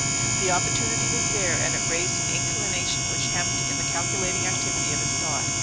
The opportunity was there, and it raised an inclination which hemmed in the calculating activity of his thought.